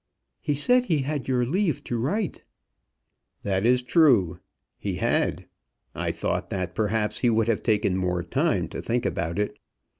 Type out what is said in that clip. "He said he had your leave to write." "That is true. He had. I thought that, perhaps, he would have taken more time to think about it."